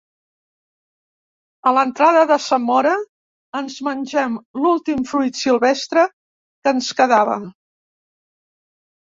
A l'entrada de Zamora ens mengem l'últim fruit silvestre que ens quedava.